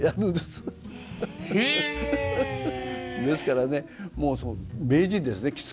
ですからね名人ですね